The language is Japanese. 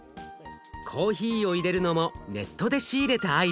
コーヒーを入れるのもネットで仕入れたアイデア。